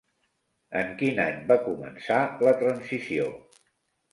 En quin any va començar la transició?